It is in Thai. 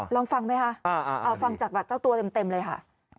ลองฟังไหมคะเอาฟังจากบัตรเจ้าตัวเต็มเลยค่ะ